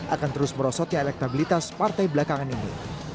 akan terus merosotnya elektabilitas partai belakangan ini